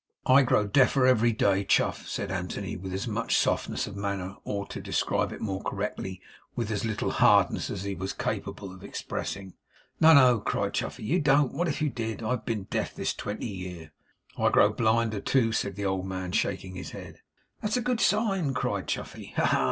'I grow deafer every day, Chuff,' said Anthony, with as much softness of manner, or, to describe it more correctly, with as little hardness as he was capable of expressing. 'No, no,' cried Chuffey. 'No, you don't. What if you did? I've been deaf this twenty year.' 'I grow blinder, too,' said the old man, shaking his head. 'That's a good sign!' cried Chuffey. 'Ha! ha!